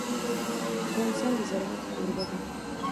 افغانستان د زراعت کوربه دی.